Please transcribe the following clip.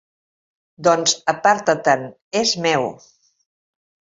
Doncs aparta-te 'n, és meu.